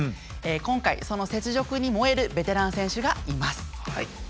今回その雪辱に燃えるベテラン選手がいます。